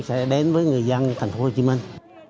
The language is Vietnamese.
sẽ đến với người dân thành phố hồ chí minh